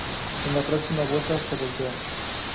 En la próxima vuelta, se voltea.